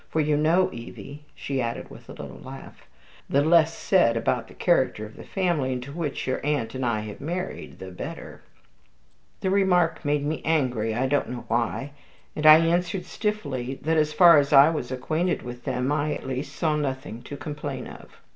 For you know, Evie," she added, with a little laugh, "the less said about the character of the family into which your aunt and I have married the better." The remark made me angry, I don't know why, and I answered stiffly, that as far as I was acquainted with them, I at least saw nothing to complain of.